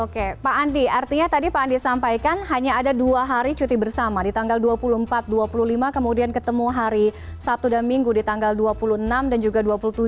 oke pak andi artinya tadi pak andi sampaikan hanya ada dua hari cuti bersama di tanggal dua puluh empat dua puluh lima kemudian ketemu hari sabtu dan minggu di tanggal dua puluh enam dan juga dua puluh tujuh